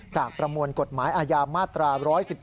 ประมวลกฎหมายอาญามาตรา๑๑๒